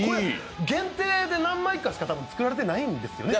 限定で何枚かしか作られてないんですよね。